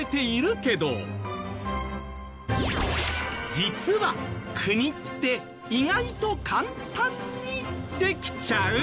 実は国って意外と簡単にできちゃう！？